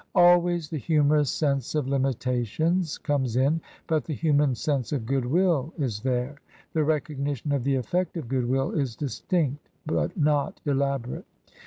Always the himiorous sense of limitations comes in, but the himian sense of good will is there; the recognition of the effect of good will is distinct but not elaborate.